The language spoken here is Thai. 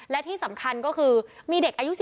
และที่สำคัญก็คือมีเด็กอายุ๑๔